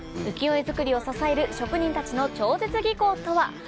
浮世絵作りを支える職人たちの超絶技巧とは？